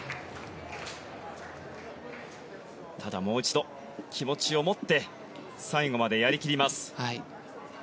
ただ、もう一度気持ちを持って最後までやり切ります。